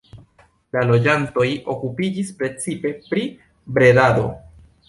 La loĝantoj okupiĝis precipe pri bredado.